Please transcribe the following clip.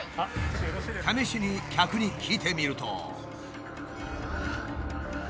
試しに客に聞いてみると。